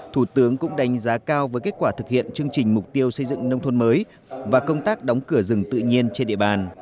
thủ tướng cũng đánh giá cao với kết quả thực hiện chương trình mục tiêu xây dựng nông thôn mới và công tác đóng cửa rừng tự nhiên trên địa bàn